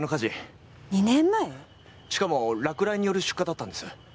しかも落雷による出火だったんです。